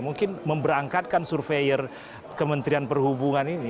mungkin memberangkatkan surveyor kementerian perhubungan ini